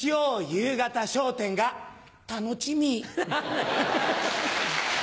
夕方『笑点』が楽ちみ。